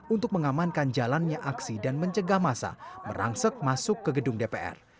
untuk mengamankan jalannya aksi dan mencegah masa merangsek masuk ke gedung dpr